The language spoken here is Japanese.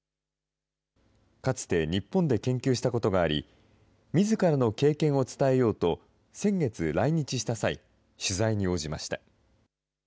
かつて日本で研究したことがあり、みずからの経験を伝えようと、先月来日した際、取材に応じました。